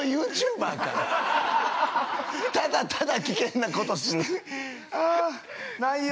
ただただ危険なことする内容